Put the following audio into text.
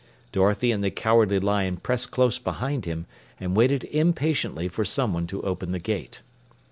Dorothy and the Cowardly Lion pressed close behind him and waited impatiently for someone to open the gate.